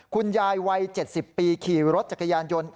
คุณยายวัย๗๐ปีขี่รถจักรยานยนต์